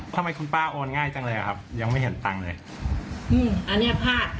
ทำไมคุณป้าโอนง่ายจังเลยอ่ะครับยังไม่เห็นตังค์เลยอืมอันเนี้ยผ้า